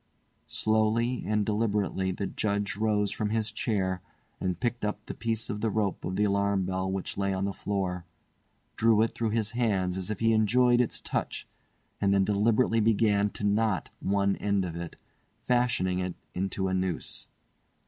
Slowly and deliberately the Judge rose from his chair and picked up the piece of the rope of the alarm bell which lay on the floor, drew it through his hands as if he enjoyed its touch, and then deliberately began to knot one end of it, fashioning it into a noose.